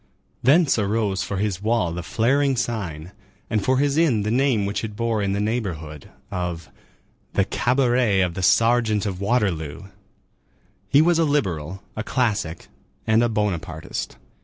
Thence arose for his wall the flaring sign, and for his inn the name which it bore in the neighborhood, of "the cabaret of the Sergeant of Waterloo." He was a liberal, a classic, and a Bonapartist.